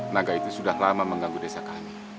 naga itu sudah lama mengganggu desa kami